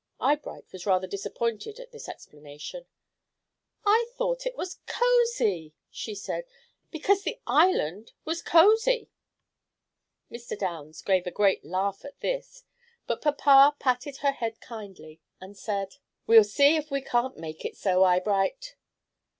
Eyebright was rather disappointed at this explanation. "I thought it was 'Cosy,'" she said, "because the island was cosey." Mr. Downs gave a great laugh at this, but papa patted her head kindly, and said, "We'll see if we can't make it so, Eyebright."